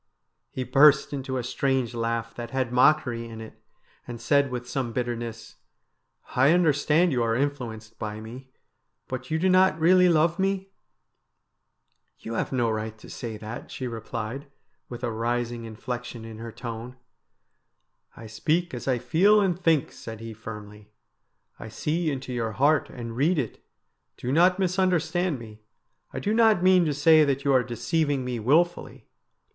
He burst into a strange laugh that had mockery in it, and said with some bitterness :' I understand you are influenced by me, but you do not really love me ?'' You have no right to say that,' she replied, with a rising inflexion in her tone. ' I speak as I feel and think,' said he firmly. ' I see into your heart and read it. Do not misunderstand me. I do not mean to say that you are deceiving me wilfully.